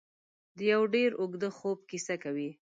د یو ډېر اوږده خوب کیسه کوي.